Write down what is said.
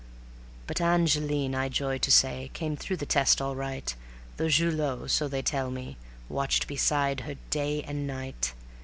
But Angeline, I joy to say, came through the test all right, Though Julot, so they tell me, watched beside her day and night.